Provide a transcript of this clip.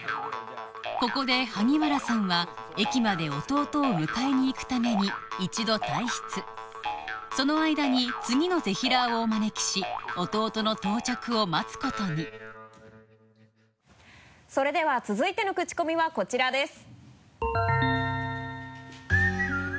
ここで萩原さんは駅まで弟を迎えに行くために一度退室そのあいだに次のぜひらーをお招きし弟の到着を待つことにそれでは続いてのクチコミはこちらです。